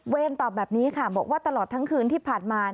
ตอบแบบนี้ค่ะบอกว่าตลอดทั้งคืนที่ผ่านมา